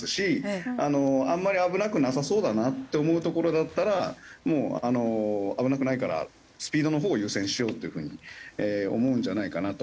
あんまり危なくなさそうだなって思う所だったらもうあの危なくないからスピードのほうを優先しようっていう風に思うんじゃないかなと思います。